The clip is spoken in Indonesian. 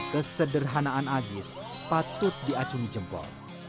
kesederhanaan agis patut diacungi jempol